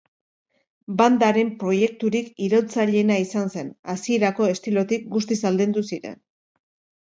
Bandaren proiekturik iraultzaileena izan zen, hasierako estilotik guztiz aldendu ziren.